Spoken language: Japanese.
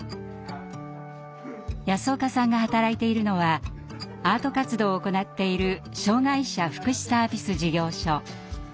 安岡さんが働いているのはアート活動を行っている障害者福祉サービス事業所。